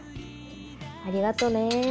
ありがとね。